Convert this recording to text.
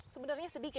sebenarnya sedikit ya